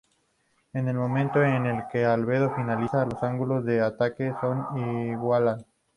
En el momento en que el alabeo finaliza, los ángulos de ataque se igualan.